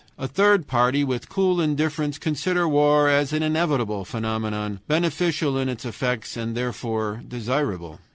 A third party with cool indifference consider war as an inevitable phenomenon, beneficial in its effects and therefore desirable.